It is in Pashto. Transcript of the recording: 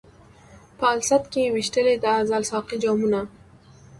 په الست کي یې وېشلي د ازل ساقي جامونه